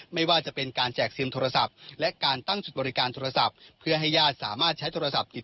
ก็จะเป็นการแจกซิมโทรศัพท์และการตั้งจุดบริการที่สามารถใช้โทรศัพท์ติดต่อ